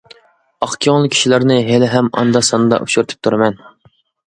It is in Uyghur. ئاق كۆڭۈل كىشىلەرنى ھېلىھەم ئاندا-ساندا ئۇچرىتىپ تۇرىمەن.